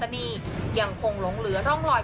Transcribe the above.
ประตานีอย่างคงลงเหลือร่องลอย